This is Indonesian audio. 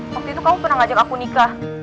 waktu itu kamu pernah ngajak aku nikah